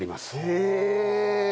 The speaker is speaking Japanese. へえ。